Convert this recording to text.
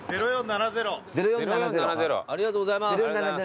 ありがとうございます。